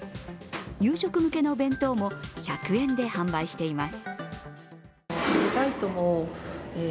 夕食向けの弁当も１００円で販売しています。